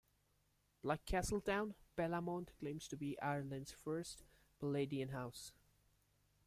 Like Castletown, Bellamont claims to be Ireland's first Palladian house.